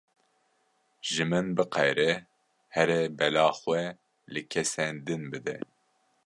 Ji min biqere here bela xwe li kesên din bide.